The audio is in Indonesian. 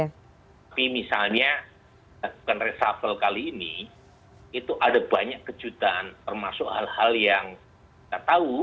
tapi misalnya lakukan reshuffle kali ini itu ada banyak kejutan termasuk hal hal yang kita tahu